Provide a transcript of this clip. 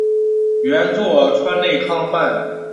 原作川内康范。